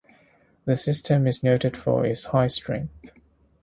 The system is noted for its high strength.